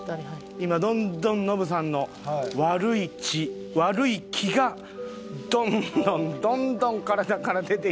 今どんどんノブさんの悪い血悪い気がどんどんどんどん体から出て行ってます。